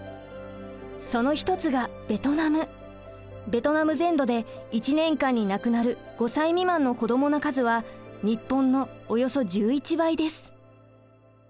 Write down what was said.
ベトナム全土で１年間に亡くなる５歳未満の子どもの数は日本のおよそ１１倍です。